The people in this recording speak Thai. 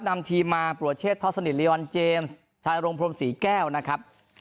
นำทีมมาโปรเชษทอดสนิทลีวันเจมส์ชายโรงพรมศรีแก้วนะครับ